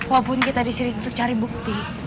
walaupun kita disini untuk cari bukti